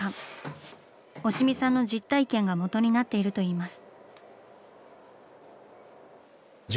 押見さんの実体験がもとになっているといいます。